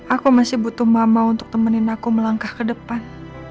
aku masih butuh mama untuk temenin aku melangkah ke depan